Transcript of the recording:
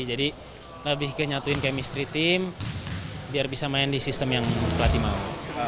jadi lebih ke menyatukan kemisi tim biar bisa main di sistem yang pelatih mau